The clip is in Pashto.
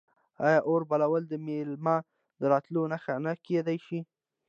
آیا اور بلول د میلمه د راتلو نښه نه کیدی شي؟